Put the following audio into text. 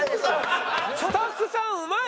スタッフさんうまいね。